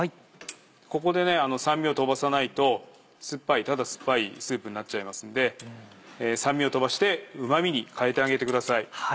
ここで酸味を飛ばさないと酸っぱいただ酸っぱいスープになっちゃいますんで酸味を飛ばしてうま味に変えてあげてください。